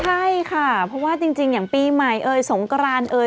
ใช่ค่ะเพราะว่าจริงอย่างปีใหม่เอ่ยสงกรานเอย